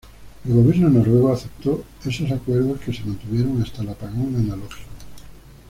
El Gobierno noruego aceptó esos acuerdos, que se mantuvieron hasta el apagón analógico.